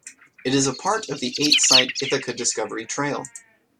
It is a part of the eight-site Ithaca Discovery Trail.